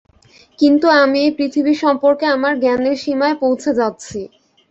কিন্তু আমি এই পৃথিবী সম্পর্কে আমার জ্ঞানের সীমায় পৌঁছে যাচ্ছি।